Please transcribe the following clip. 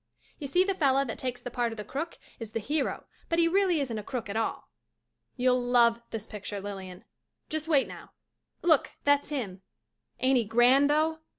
Y'see the fella that takes the part of the crook is the hero but he really isn't a crook at all. You'll love this picture, Lilian. Just wait now — look, that's him. Ain't he grand though?